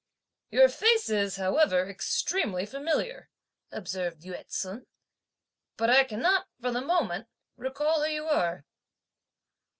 "Your face is, however, extremely familiar," observed Yü ts'un, "but I cannot, for the moment, recall who you are."